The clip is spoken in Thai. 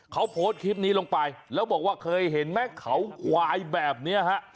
เขาโพสต์คลิปนี้ลงไปแล้วบอกว่าเคยเห็นไหมเขาควายแบบนี้ฮะ